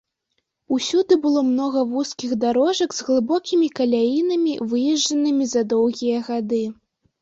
Усюды было многа вузкіх дарожак з глыбокімі каляінамі, выезджанымі за доўгія гады.